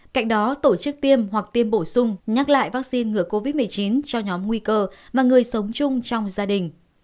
cạnh đó tổ chức tiêm hoặc tiêm bổ sung nhắc lại vaccine ngừa covid một mươi chín cho nhóm nguy cơ và người sống chung trong gia đình